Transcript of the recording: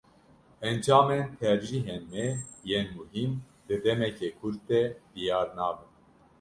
Encamên tercîhên me yên muhîm, di demeke kurt de diyar nabin.